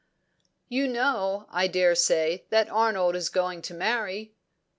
"You know, I daresay, that Arnold is going to marry?"